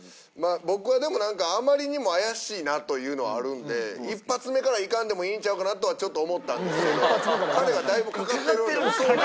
僕はでもあまりにも怪しいなというのはあるんで１発目からいかんでもいいんちゃうかなとはちょっと思ったんですけど彼がだいぶかかってるんで。